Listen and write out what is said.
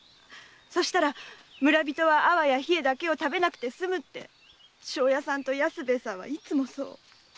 そしたら村人は粟や稗だけを食べなくて済むって庄屋さんや安兵衛さんはいつもそう。